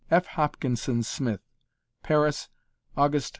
F. HOPKINSON SMITH. Paris, August, 1901.